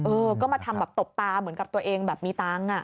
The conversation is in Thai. เออก็มาทำแบบตบตาเหมือนกับตัวเองแบบมีตังค์